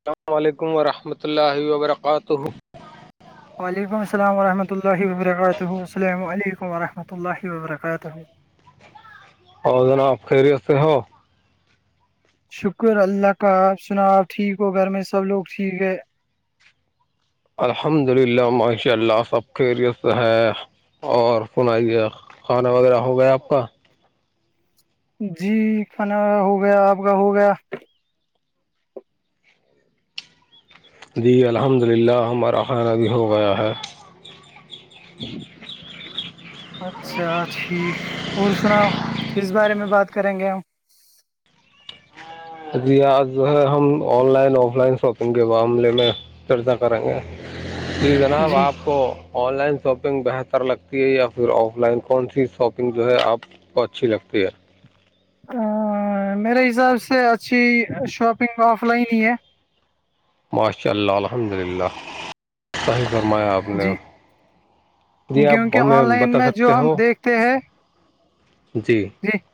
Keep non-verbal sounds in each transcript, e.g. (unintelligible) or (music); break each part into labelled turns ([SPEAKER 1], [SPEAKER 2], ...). [SPEAKER 1] السلام علیکم ورحمۃ اللہ وبرکاتہ
[SPEAKER 2] وعلیکم السلام ورحمۃ اللہ وبرکاتہ السلام علیکم ورحمۃ اللہ وبرکاتہ
[SPEAKER 1] اور جناب خیریت سے ہو
[SPEAKER 2] شکر اللہ کا آپ سنا آپ ٹھیک ہو گھر میں سب لوگ ٹھیک ہے
[SPEAKER 1] الحمد للہ ماشاء اللہ سب خیریت ہے اور سنائیے کھانا وغیرہ ہو گیا آپ کا
[SPEAKER 2] جی کھانا ہو گیا آپ کا ہو گیا
[SPEAKER 1] جی الحمد للہ ہمارا خان ابی ہو گیا ہے (unintelligible)
[SPEAKER 2] ہ (unintelligible) اچھا ٹھیک اور سناؤ کس بارے میں بات کریں گے ہم
[SPEAKER 1] جی آج جو ہے ہم online offline shopping کے معاملے میں چرچا کریں گے جی جناب
[SPEAKER 2] جی
[SPEAKER 1] آپ کو آن لائن شاپنگ بہتر لگتی ہے یا پھر آف لائن کون سی شاپنگ جو ہے آپ تو اچھی لگتی ہے
[SPEAKER 2] میرے حساب سے اچھی شاپنگ آف لائن ہی ہے
[SPEAKER 1] ماشاء اللہ الحمد للہ ہی فرمایا آپ نے
[SPEAKER 2] جی
[SPEAKER 1] جی آپ ہمیں بتا سکتے ہو
[SPEAKER 2] کہ ہے (unintelligible)
[SPEAKER 1] جی
[SPEAKER 2] جی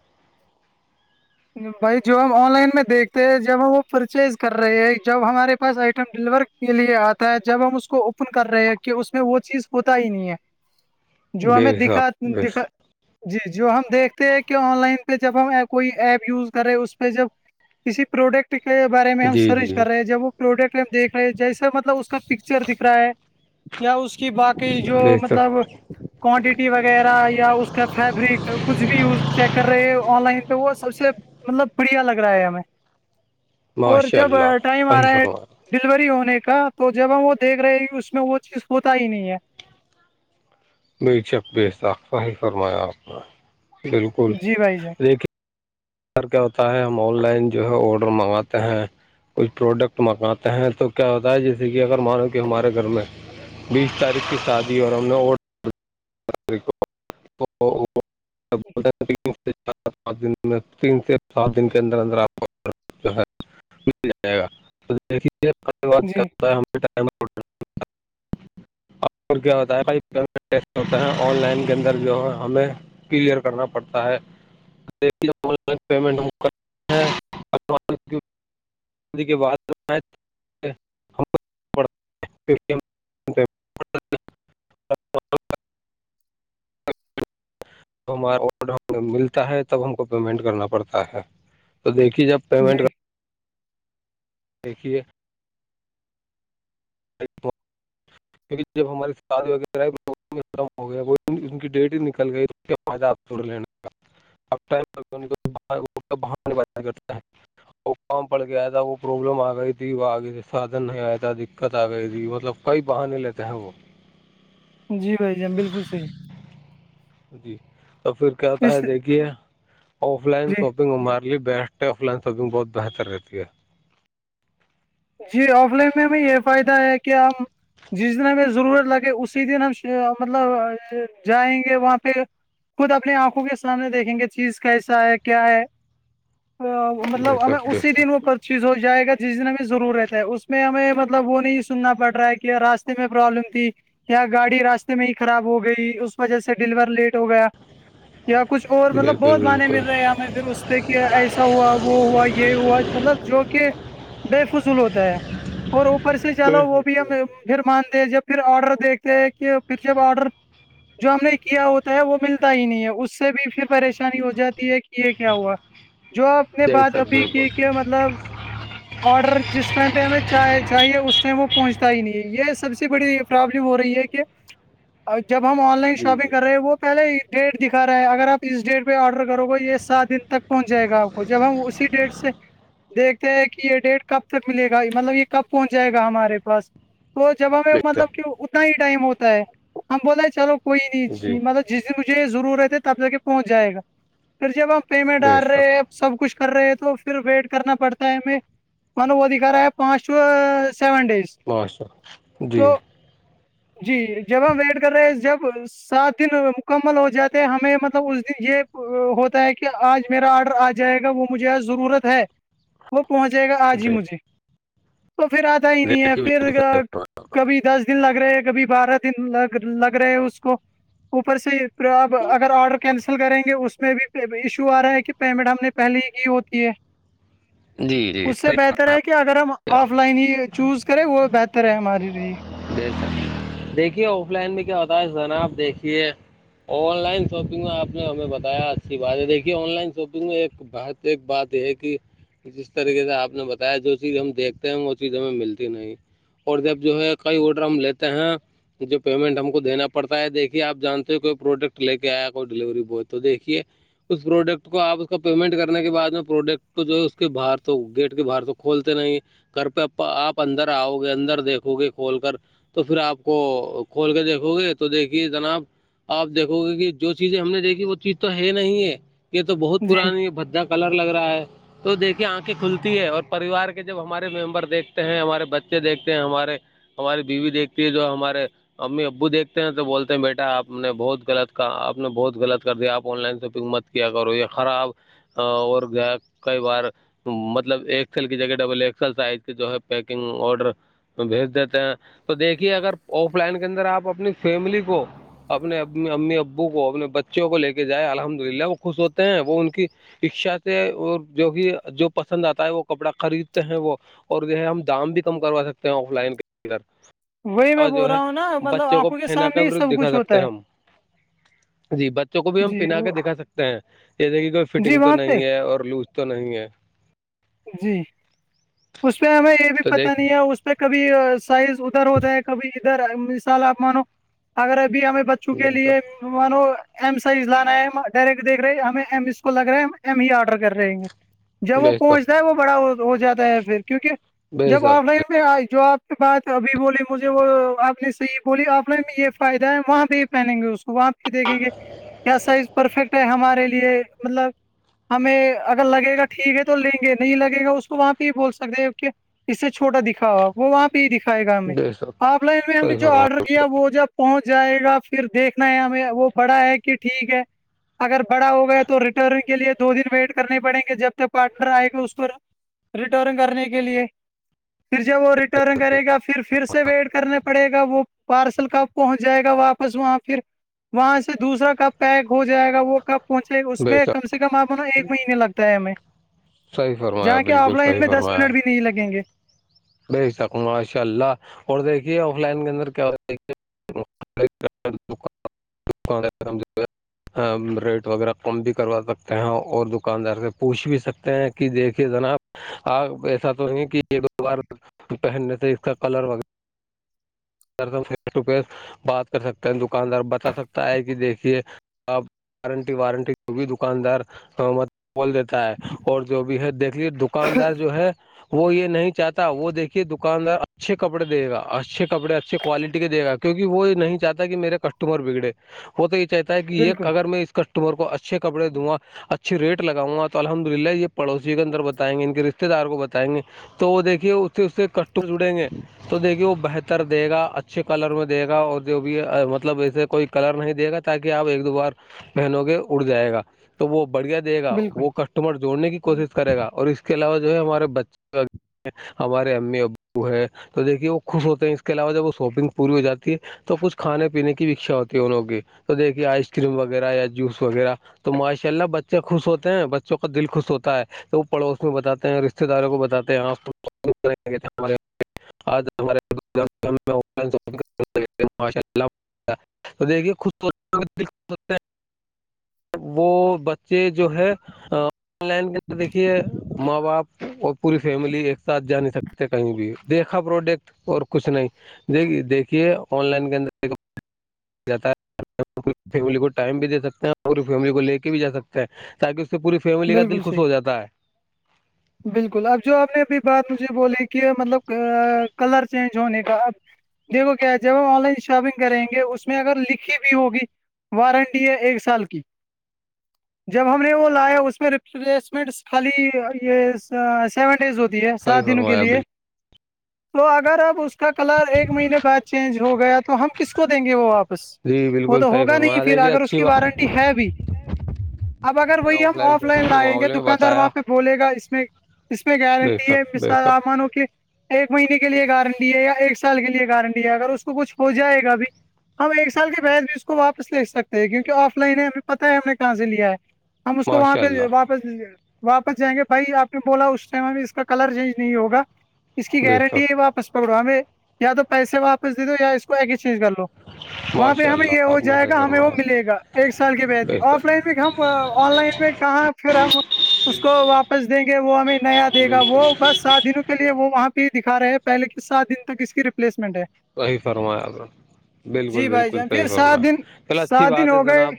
[SPEAKER 2] بھائی جو ہم آن لائن میں دیکھتے ہیں جب ہم وہ پرچیز کر رہے ہیں جب ہمارے پاس آئٹم ڈلیور کے لیے آتا ہے جب ہم اس کو اوپن کر رہے ہیں کہ اس میں وہ چیز ہوتا ہی نہیں ہے جو
[SPEAKER 1] بے
[SPEAKER 2] ہمیں
[SPEAKER 1] حساب
[SPEAKER 2] دکھا
[SPEAKER 1] بے
[SPEAKER 2] دکھا
[SPEAKER 1] حساب
[SPEAKER 2] جی جو ہم دیکھتے ہیں کہ آن لائن پہ جب ہم کوئی ایپ یوز کر رہے اس پہ جب کسی پروڈکٹ کے بارے میں ہم
[SPEAKER 1] جی
[SPEAKER 2] سرچ
[SPEAKER 1] جی
[SPEAKER 2] کر رہے ہیں جب وہ پروڈکٹ دیکھ رہے جیسا مطلب اس کا پک سر دکھ رہا ہے یا اس کی باقی جو
[SPEAKER 1] بے شک
[SPEAKER 2] مطلب کوانٹیٹی وغیرہ یا اس کا فیبرک کچھ بھی یوز چیک کر رہے آن لائن پہ وہ سب سے مطلب پڑیا لگ رہا ہے ہمیں اور
[SPEAKER 1] ماشاء
[SPEAKER 2] جب
[SPEAKER 1] اللہ
[SPEAKER 2] ٹائم آ
[SPEAKER 1] صحیح
[SPEAKER 2] رہا ہے
[SPEAKER 1] فرمایا
[SPEAKER 2] ڈلیوری ہونے کا تو جب ہم وہ دیکھ رہے ہیں اس میں وہ چیز ہوتا ہی نہیں ہے
[SPEAKER 1] بے شک بےسختہ ہی فرمایا آپ نے بالکل
[SPEAKER 2] جی بھائی جان
[SPEAKER 1] دیکیکے سر کیا ہوتا ہے ہم آن لائن جو ہے آڈر منگاتے ہیں کچھ پروڈکٹ منگاتے ہیں تو کیا ہوتا ہے جیسے کہ اگر مانو کہ ہمارے گھر میں بیس تاریخ کی شادی اور ہم نے اوٹ (inaudible) د میں تین سے سات دن کے اندر اندر آپ (inaudible) مل جائے گا دیکے
[SPEAKER 2] جی
[SPEAKER 1] (inaudible) ٹائم کیا ہوتا ہے (inaudible) ہوتا ہے آن لائن کے اندر جو ہے ہمیں کلیئر کرنا پڑتا ہے آن لائن پیمنٹ ہم کران (inaudible) بات (inaudible) ہمارا آڈر ملتا ہے تب ہم کو پیمنٹ کرنا پڑتا ہے تو دیکھیے جب
[SPEAKER 2] جی
[SPEAKER 1] پیمنٹ دیکھیے کیکہ جب ہماری ساد وغیرہ ختم ہو گیا وہ ان کی ڈیٹ ہی نکل گئی اس کے پجپ توھوڑ لیننے کا مرتا وہ کام پڑ گیا تھا وہ پروابلم آ گئی تھی وہ آگے سے سادھن نہیں آیا تھا دقت آ گئی تھی مطلب کئی بہانے لیتے ہیں وہ
[SPEAKER 2] جی بھائی جان بالکل صحیح
[SPEAKER 1] جی تو پھر کہتا
[SPEAKER 2] اس
[SPEAKER 1] ہے دیکھیے آف لائن
[SPEAKER 2] جی
[SPEAKER 1] شاپنگ ہمارا پلی بیسٹ ہے آف لائن شاپنگ بہت بہتر رہتی ہے
[SPEAKER 2] جی آف لائن میں بھی یہ فائدہ ہے کہ ہم جس دن ہمیں ضرورت لگے اسی دن ہم مطلب جائیں گے وہاں پہ خود اپنی آنکھوں کے سامنے دیکھیں گے چیز کیسا ہے کیا ہے
[SPEAKER 1] بے
[SPEAKER 2] مطلب ہمیں
[SPEAKER 1] شک بے
[SPEAKER 2] اسی دن
[SPEAKER 1] شک
[SPEAKER 2] وہ پرچیز ہو جائے گا جس دن اب ضرورت ہے اس میں ہمیں مطلب وہ نہیں سننا پڑ رہا ہے کہ راستے میں پرابلم تھی گاڑی راستے میں ہی خراب ہو گئی اس وجہ سے ڈیلیور لیٹ ہو گیا یا کچھ اور مطلب
[SPEAKER 1] بالکل
[SPEAKER 2] بہت گانے
[SPEAKER 1] بالکل
[SPEAKER 2] مل رہے ہیں ہمیں پھر اس پہ کہ ایسا ہوا وہ ہوا یہ ہوا مطلب جو کہ بے فضول ہوتا ہے اور اوپر سے چالو وہ بھی ہم پھر مان د جب پھر آرڈر دیکتے کہ پھر جب آرڈر جو ہم نے کیا ہوتا ہے وہ ملتا ہی نہیں ہے اس سے بھی پھر پریشانی ہو جاتی ہے کہ یہ کیا ہوا جو آپ نے
[SPEAKER 1] بے شک بے شک بے
[SPEAKER 2] بات
[SPEAKER 1] شک
[SPEAKER 2] ابھی کی
[SPEAKER 1] بالکل
[SPEAKER 2] کہ مطلب آرڈر جس ٹائم پہ ہمیں چاہیے اس ٹائم وہ پہنچتا ہی نہیں ہے یہ سب سے بڑی پرابلم ہو رہی ہے کہ اور جب ہم آن لائن
[SPEAKER 1] جی
[SPEAKER 2] شاپنگ
[SPEAKER 1] جی
[SPEAKER 2] کر رہے ہیں وہ پہلے یہ ڈیٹ دکھا رہا ہے اگر آپ اس ڈیٹ پہ آرڈر کرو گے یہ سات دن تک پہنچ جائے گا آپ اور جب ہم اسی ڈیٹ سے دیکھتے ہیں کہ یہ ڈیٹ کب تک ملے گا مطلب یہ کب پہنچ جائے گا ہمارے پاس تو جب ہمیں
[SPEAKER 1] بے
[SPEAKER 2] مطلب
[SPEAKER 1] شک
[SPEAKER 2] کہ اتنا ہی ٹائم ہوتا ہے ہم بولا چلو کوئی
[SPEAKER 1] جی
[SPEAKER 2] نہیںی مطلب جس مجھے ضرورت ہے تب تک پہنچ جائے گا پھر جب ہم پیمنٹ
[SPEAKER 1] بے
[SPEAKER 2] آر
[SPEAKER 1] شک
[SPEAKER 2] رہے سب کچھ کر رہے ہیں تو پھر ویٹ کرنا پڑتا ہے ہمیں منو وہی کر پانچ سیون ڈیز
[SPEAKER 1] باھا جی
[SPEAKER 2] تو جی جب ہم ویٹ کر رہے ہیں جب سات دن مکمل ہو جاتے ہیں ہمیں مطلب اس دن یہ ہوتا ہے کہ آج میرا آرڈر آج جائے گا وہ مجھے آ ضرورت ہے پہنچے گا آج ہی
[SPEAKER 1] جی
[SPEAKER 2] مجھے تو پھر آتا ہی نہیں ہے
[SPEAKER 1] دیکھیے
[SPEAKER 2] پھر
[SPEAKER 1] بالکل
[SPEAKER 2] کبھی دس دن لگ رہے ہیں کبھی بارہ دن لگ رہے ہیں اس کو اوپر سے پھر آپ اگر آرڈر کینسل کریں گے اس میں بھی ایشو آ رہا ہے کہ پیمنٹ ہم نے پہلے ہی کی ہوتی ہے
[SPEAKER 1] جی
[SPEAKER 2] اس سے
[SPEAKER 1] جی
[SPEAKER 2] بہتر ہے کہ اگر ہم آف لائن ہی چوز کریں وہ بہتر ہے ہمارے لیے
[SPEAKER 1] در دیکھیے آف لائن میں کیا ہوتا ہے زناا آپ دیکھیے آن لائن شاپنگ میں آپ نے ہمیں بتایا اچھی بات ہےیکھیے آن لائن شاپنگ میں ایک بہت ایک بات یہ ہے کہ جس طریقے سے آپ نے بتایا جو چیز ہم دیکھتے ہیں وہ چیز ہمیں ملتی نہیں اور جب جو ہے کئی آڈر ہم لیتے ہیں جو پیمنٹ ہم کو دینا پڑتا ہے دیکھیے آپ جانتے ہو کوئی پروڈکٹ لے کے آیا کوئی ڈیلیوری بوائے تو دیکھیے اس پروڈکٹ کو آپ اس کو پیمنٹ کرنے کے بعد میں پروڈکٹ کو جو کے باہر تو گیٹ کے باہر تو کھولتے نہیں گھر پہ آپ اندر آؤ گے اندر دیکھو گے کھول کر تو پھر آپ کو کھول کے دیکھو گے تو دیکھیے جناب آپ دیکھو گے کہ جو چیزیں ہم نے دیکھی وہ چیز تو ہے نہیں ہے یہ تو بہت
[SPEAKER 2] جی
[SPEAKER 1] پرانی یہ بھدا کلر لگ رہا ہے تو دیکھیے آنکھیں کھلتی ہے اور پریوار کے جب ہمارے ممبر دیکھتے ہیں ہمارے بچے دیکھتے ہیں ہمارے ہماری بیوی دیکھتی ہے جو ہمارے امی ابو دیکھتے ہیں تو بولتے ہیں بیٹا آ نے بہت غلط کہ آپ نے بہت غلط کر دیا آن لائن شاپنگ مت کیا کرو یہ خراب اور کئی بار مطلب ایکسل کی جگہ ڈبل ایکسل سائز کی جو ہے پیکنگ آڈر بھیج دیتے ہیں تو دیکھیے اگر آف لائن کے اندر آپ اپنی فیملی کو اپنے ا امی ابو کو اپنے بچوں کو لے کے جائے الحمد للہ وہ خوش ہوتے ہیں وہ ان کی اکشا سے جو بھی جو پسند آتا ہے وہ کپڑا خریدتے ہیں وہ اور جو ہے ہم دام بھی کم کروا سکتے ہیں آف لائن کا
[SPEAKER 2] وہی میں
[SPEAKER 1] جو
[SPEAKER 2] بول
[SPEAKER 1] ہے
[SPEAKER 2] رہا ہوں نا مطلب
[SPEAKER 1] بچوں کو
[SPEAKER 2] آنکھوں کے
[SPEAKER 1] پہنا
[SPEAKER 2] سامنے ہی
[SPEAKER 1] کر
[SPEAKER 2] سب
[SPEAKER 1] دکھا
[SPEAKER 2] کچھ
[SPEAKER 1] سکتے
[SPEAKER 2] ہوتا
[SPEAKER 1] ہیں ہم
[SPEAKER 2] ہے
[SPEAKER 1] جی بچوں کو بھی ہم
[SPEAKER 2] جی
[SPEAKER 1] پہنا
[SPEAKER 2] وہ
[SPEAKER 1] کے دکھا سکتے ہیں جیسے کہ کوئی
[SPEAKER 2] جی
[SPEAKER 1] فٹنگ تو
[SPEAKER 2] وہاں پہ
[SPEAKER 1] نہیں ہے اور لوز تو نہیں ہے
[SPEAKER 2] جی اس پہ ہمیں یہ بھی
[SPEAKER 1] تو
[SPEAKER 2] پتہ
[SPEAKER 1] دیکھ
[SPEAKER 2] نہیں ہے پہ کبھی سائز ادھر ہوتا ہے کبھی ادھر مثال آپ مانو اگر ابھی ہمیں چک لیے مانو ایم سائز لانا ہے ڈائریکٹ دیکھ رہے ہیں ہمیں ایم اس کو لگ رہا ہے ہم ایم ہی آرڈر کر رہےیں گے جب وہ
[SPEAKER 1] بے شک
[SPEAKER 2] پہنچتا ہے وہ بڑا ہو جاتا ہے پھر کیونکہ
[SPEAKER 1] بے
[SPEAKER 2] جب
[SPEAKER 1] شک
[SPEAKER 2] آف لائن میں آئی جو آپ بات ابھی بولی مجھے وہ آپ نے صحیح بولی آپ نے یہ فائدہ ہے وہاں پہ ہی پہنیں گے اس کو وہاں پہ دیکھیں گے کیا سائز پرفیکٹ ہے ہمارے لیے مطلب ہمیں اگر لگے گا ٹھیک ہے تو تو لیں گے نہیں لگے گا اس کو وہاں پہ ہی بول سکتے کہ اس سے چھوٹا دکھاؤ آپ وہ وہاں پہ ہی دکھائے گا ہمیں
[SPEAKER 1] بے شک
[SPEAKER 2] آف لائن میں ہم نے
[SPEAKER 1] صحیح
[SPEAKER 2] جو آرڈر
[SPEAKER 1] فرمایا
[SPEAKER 2] کیا وہ جب پہنچ جائے گا پھر دیکھنا ہے ہمیں وہ بڑا ہے کہ ٹھیک ہے اگر بڑا ہو گا ہے تو ریٹرن کے لیے دو دن ویٹ کرنے پڑیں گے جب تک پارٹنر آئے گا اس کو ریٹرن کرنے کے لیے پھر جب وہ ریٹرن کرے گا پھر پھر سے ویٹ کرنے پ پڑے گا وہ پارسل کا پہنچ جائے گا واپس وہاں پھر وہاں سے دوسرا کب پیک ہو جائے گا وہ کب پہنچے اس
[SPEAKER 1] بے
[SPEAKER 2] میں
[SPEAKER 1] شک
[SPEAKER 2] کم سے کم آپ نا ایک مہینے لگتا ہے ہمیں
[SPEAKER 1] صحیح
[SPEAKER 2] جا
[SPEAKER 1] فرمایا
[SPEAKER 2] کے آف
[SPEAKER 1] بالکل
[SPEAKER 2] لائن
[SPEAKER 1] صحیح
[SPEAKER 2] میں دس منٹ بھی نہیں لگیں گے
[SPEAKER 1] بھیج سکوں گا ماشاء اللہ اور دیکھیے آف لائن کے اندر کیایکے ال ک پ آ ریٹ وغیرہ کم بھی کروا سکتے ہیں اور دکاندار سے پوچھ بھی سکتے ہیں کہ دیکھیے جناب آپ ایسا تو ہے کہ ایک دو بار پہننے سے اس کا کلر وغیرہ ر فیس ٹو فیس بات کر سکتے ہیں دکاندار بتا سکتا ہے کہ دیکھیے آپ وارنٹی وارنٹی کو بھی دکاندار م بول دیتا ہے اور جو بھی ہے دیکھ لیے دکاندار جو ہے وہ یہ نہیں چاہتا وہ دیکھیے دکاندار اچھے کپڑے دے گا اچھے کپڑے ا اچے کوالٹی کے دے گا کیونکہ وہ نہیں چاہتا کہ میرے کسٹمر بگڑے وہ تو یہ چاہتا ہے کہ یہ
[SPEAKER 2] بالکل
[SPEAKER 1] اگر میں اس کسٹمر کو اچھے کپڑے دھواں اچھے ری لگؤں گا تو الحمد للہ یہ پڑوسی کے اندر بتائ گے ان کے رشتے دار کو بتیں گے تو وہ دیکھیے اس سے اس سے کٹو جڑیں گے تو دیکھیے وہ بہتر دے گا اچھے کلر میں دے گا اور جو بھی مطلب ایسے کوئی کلر نہیں دے گا تاکہ آپ ایک دو بار بہنوں کے اڑ جائے گا تو وہ بڑھیا دے گا
[SPEAKER 2] بالکل
[SPEAKER 1] وہ کٹ تمہار جوڑنے کی کوشش کرے گا اور اس کے علاوہ جو ہے ہمارے بچے ہمارے امی ابو ہے تو دیکھیے وہ خوش ہوتے ہیں اس کے علاوہ جب وہ شاپنگ پوری ہو جاتی ہے تو کچھ کھانے پینے کی بھیچھا ہوتی ہے ان لوگ کی تو دیکھیے آئس کریم وغیرہ یا جوس وغیرہ تو ماشاء اللہ بچے خوش ہوتے ہیں بچوں کا دل خوش ہوتا ہے تو وہ پڑوس میں بتاتے ہیں رشتے داروں کو بتاتے ہیں ہم آج ہمے ماشا اللہ تو دیکھیے خص وہ بچے جو ہے آ لائن کے اندر دیکھیے ماں باپ پوری فیملی ایک ساتھ جا نہیں سکتے کہیں بھی دیکھا پروڈکٹ اور کچھ نہیں دیک دیکھیے آن لائن کے اندر جاتا ہے فیملی کو ٹائم بھی دے سکتے ہیں پوری فیملی کو لے کے بھی جا سکتے ہیں کے تو پوری فیملی کا دل
[SPEAKER 2] بالکل
[SPEAKER 1] خوش
[SPEAKER 2] صحیح
[SPEAKER 1] ہو جاتا ہے
[SPEAKER 2] بالکل اب جو آپ نے ابھی بات مجھے بولی کہ مطلب کلر چینج ہونے کا اب دیکھو کیا جب ہم آن لائن شاپنگ کریں گے اس میں اگر لکھی بھی ہوگی وارنٹی ہے ایک سال کی جب ہم نے وہ لایا اس اس ریفلیشمنٹ خالی یہ سیون ڈیز ہوتی ہے
[SPEAKER 1] صحیح
[SPEAKER 2] سات دنوں کے
[SPEAKER 1] فرمایا
[SPEAKER 2] لیے
[SPEAKER 1] بالکل
[SPEAKER 2] تو اگر آپ اس کا کلر ایک مہینے بعد چینج ہو گیا تو ہم کس کو دیں گے وہ آپ بس
[SPEAKER 1] جی
[SPEAKER 2] وہ
[SPEAKER 1] بالکل
[SPEAKER 2] تو
[SPEAKER 1] صحیح
[SPEAKER 2] ہوگا نہیں
[SPEAKER 1] فرمایا
[SPEAKER 2] پھر
[SPEAKER 1] دیکھیے
[SPEAKER 2] اگر اس
[SPEAKER 1] اچھی
[SPEAKER 2] کی
[SPEAKER 1] بات
[SPEAKER 2] وارنٹی ہے بھی اب اگر وہی ہم آف لائن
[SPEAKER 1] شاپنگ کے
[SPEAKER 2] لائیں گے
[SPEAKER 1] معاملے میں
[SPEAKER 2] دکاندار
[SPEAKER 1] بتایا
[SPEAKER 2] وہاں پہ کھولے گا اس میں اس میں
[SPEAKER 1] بے
[SPEAKER 2] گارنٹی ہے
[SPEAKER 1] شک بے
[SPEAKER 2] مثال
[SPEAKER 1] شک
[SPEAKER 2] امانوں کے ایک مہینے کے لیے گارنٹی ہے یا ایک سال کے لیے گارنٹی ہے اگر اس کو کچھ ہو جائے گا بھی ہم ایک سال کے بعد بھی اس کو واپس لے سکتے ہیں کیونکہ آف لائن ہے ہمیں پتا ہے ہم نے کہاں سے لیا ہے ہم اس کو وہاں
[SPEAKER 1] ماشاء
[SPEAKER 2] پہ
[SPEAKER 1] اللہ
[SPEAKER 2] واپس جائیں گے بھائی آپ نے بولا اس ٹائم ا اس کا کلر چینج نہیں ہوگا اس کی
[SPEAKER 1] بہتر
[SPEAKER 2] گارنٹی ہے واپس پکڑو ہمیں یا تو پیسے واپس دے دو یا اس کو ایکسچینج کر لو (inaudible) وہاں پہ
[SPEAKER 1] ماشاء
[SPEAKER 2] ہمیں
[SPEAKER 1] اللہ
[SPEAKER 2] یہ ہو
[SPEAKER 1] آپ نے
[SPEAKER 2] جائے
[SPEAKER 1] صحیح
[SPEAKER 2] گا ہمیں وہ
[SPEAKER 1] فرمایا
[SPEAKER 2] ملے گا ایک سال کے بعد بھی
[SPEAKER 1] بہتر
[SPEAKER 2] آف لائن میں ہم آن لائن میں ہاں پھر ہم اس کو واپس دیں گے وہ ہمیں نیا دے گا
[SPEAKER 1] بالکل
[SPEAKER 2] وہ بس سارے دنوں کے لیے وہاں پہ ہی دکھاے ہیں پہل کس سات دن تک اس کی ریپلیسمنٹ ہے
[SPEAKER 1] صحیح فرمایا ا بالکل
[SPEAKER 2] جی بھائی
[SPEAKER 1] بالکل
[SPEAKER 2] جان پھر
[SPEAKER 1] صحیح
[SPEAKER 2] سات
[SPEAKER 1] فرمایا
[SPEAKER 2] دن
[SPEAKER 1] چلو اچھی
[SPEAKER 2] سات دن
[SPEAKER 1] بات ہے
[SPEAKER 2] ہو گئے
[SPEAKER 1] جناب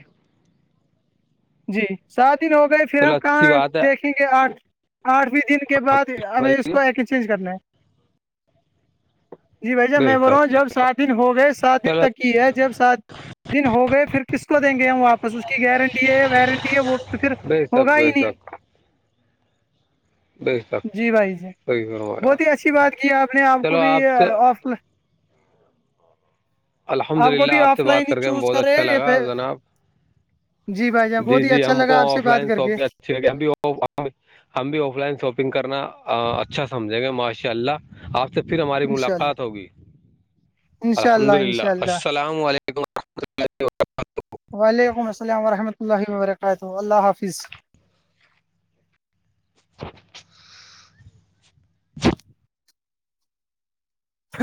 [SPEAKER 2] جی سات دن ہو گئے پھر ہم
[SPEAKER 1] چلو اچھی
[SPEAKER 2] کہاں
[SPEAKER 1] بات
[SPEAKER 2] دیکھیں گے آٹھ آٹھویں دن کے بعد ہمیں اس
[SPEAKER 1] ہے
[SPEAKER 2] کو ایکسچینج کرنا ہے جی بھ جا
[SPEAKER 1] بے
[SPEAKER 2] میں بول رہا ہوں
[SPEAKER 1] شک
[SPEAKER 2] جب سات دن ہو گئے سات دن
[SPEAKER 1] چلو
[SPEAKER 2] تک ہی ہے جب سات دن ہو گئے پھر کس کو دیں گے ہم واپس اس کی گارنٹی ہے وارنٹی ہے وہ تو پھر
[SPEAKER 1] بے شک
[SPEAKER 2] ہوگا ہی
[SPEAKER 1] بے
[SPEAKER 2] نہیں
[SPEAKER 1] شک بے شک
[SPEAKER 2] جی بھائی جی
[SPEAKER 1] صحیح فرمایا
[SPEAKER 2] بہت ہی اچھی بات کی آپ نے آپ کو
[SPEAKER 1] چلو
[SPEAKER 2] بھی
[SPEAKER 1] سے
[SPEAKER 2] آف
[SPEAKER 1] الحمد
[SPEAKER 2] کو
[SPEAKER 1] للہ
[SPEAKER 2] بھی
[SPEAKER 1] آپ سے
[SPEAKER 2] آف لائن
[SPEAKER 1] بات
[SPEAKER 2] ہی
[SPEAKER 1] کر کے ہم
[SPEAKER 2] چوز
[SPEAKER 1] بہت
[SPEAKER 2] کرے
[SPEAKER 1] اچھا لگا جناب
[SPEAKER 2] جی بھائی جان
[SPEAKER 1] جی
[SPEAKER 2] بہت ہی
[SPEAKER 1] جی
[SPEAKER 2] اچھا
[SPEAKER 1] ہم کو
[SPEAKER 2] لگا آپ سے
[SPEAKER 1] آف
[SPEAKER 2] بات
[SPEAKER 1] لائن
[SPEAKER 2] کر کے
[SPEAKER 1] شاپ ھ ہم بھی ہم بھی آف لائن شاپنگ کرنا اچھا سمجھیں گے ماشاء اللہ آپ سے پھر ہماری
[SPEAKER 2] انشاء
[SPEAKER 1] ملاقات
[SPEAKER 2] اللہ
[SPEAKER 1] ہوگی
[SPEAKER 2] انشاء
[SPEAKER 1] الحمد
[SPEAKER 2] اللہ
[SPEAKER 1] للہ
[SPEAKER 2] انشاء اللہ
[SPEAKER 1] السلام علیکم ا
[SPEAKER 2] وعلیکم السلام ورحمۃ اللہ وبرکاتہ اللہ حافظ
[SPEAKER 1] (inaudible)
[SPEAKER 2] ہ